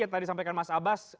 yang tadi sampaikan mas abbas